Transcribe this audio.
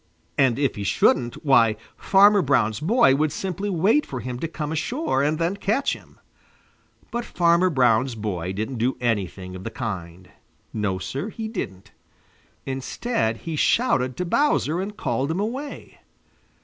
And if he shouldn't, why Farmer Brown's Boy would simply wait for him to come ashore and then catch him. But Farmer Brown's boy didn't do anything of the kind. No, Sir, he didn't. Instead he shouted to Bowser and called him away.